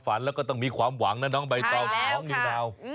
แต่จะยังไงก็ต้องไปให้ถึง